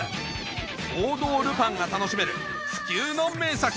王道ルパンが楽しめる不朽の名作